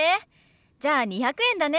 じゃあ２００円だね。